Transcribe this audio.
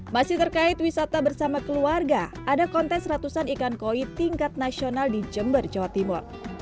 masih terkait wisata bersama keluarga ada kontes ratusan ikan koi tingkat nasional di jember jawa timur